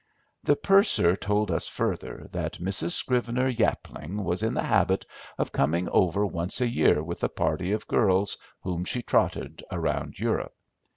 The purser told us further, that Mrs. Scrivener Yapling was in the habit of coming over once a year with a party of girls whom she trotted around Europe.